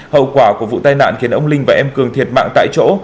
hậu quả của vụ tai nạn khiến ông linh và em cường thiệt mạng tại chỗ